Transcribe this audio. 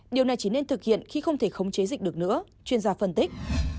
điều này chỉ nên thực hiện khi không thể khống chế dịch được nữa chuyên gia phân tích